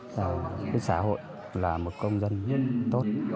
và với xã hội là một công dân tốt